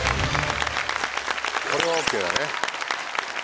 これはＯＫだね。